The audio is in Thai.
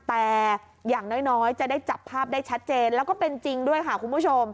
แต่อย่างน้อยจะได้จับภาพได้ชัดเจนแล้วก็เป็นจริงด้วยค่ะคุณผู้ชม